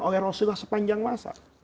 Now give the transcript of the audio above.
oleh rasulullah sepanjang masa